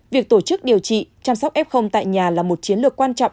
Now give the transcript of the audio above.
việc tổ chức điều trị chăm sóc f tại nhà là một chiến lược quan trọng